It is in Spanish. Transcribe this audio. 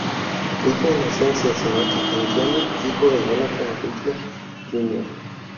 Riddle nació en Cincinnati, Indiana hijo de Jonathan Riddle, Jr.